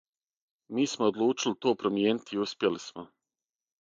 Ми смо одлучили то промијенити и успјели смо.